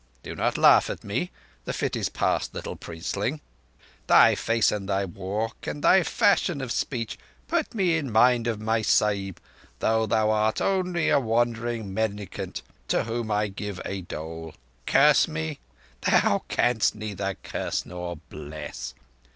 (Do not laugh at me. The fit is past, little priestling.) Thy face and thy walk and thy fashion of speech put me in mind of my Sahib, though thou art only a wandering mendicant to whom I give a dole. Curse me? Thou canst neither curse nor bless!"